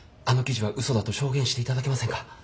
あの記事はうそだと証言して頂けませんか？